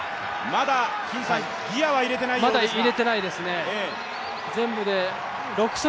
まだギヤは入れていないようですが。